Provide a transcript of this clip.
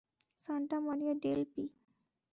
Santa Maria del P.